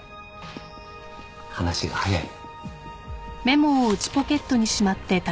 話が早い。